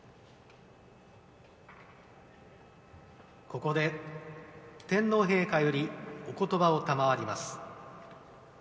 ここで、天皇陛下よりおことばを賜ります。